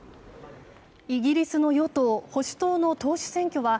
イギリスの与党・保守党の党首選挙は